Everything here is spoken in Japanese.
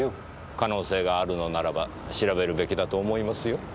可能性があるのならば調べるべきだと思いますよ。